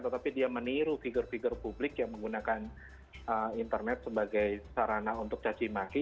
tetapi dia meniru figur figur publik yang menggunakan internet sebagai sarana untuk cacimaki